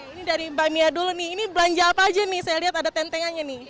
ini dari mbak mia dulu nih ini belanja apa aja nih saya lihat ada tentenganya nih